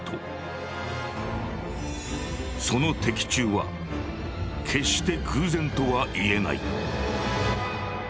その的中は決して偶然とはいえない」。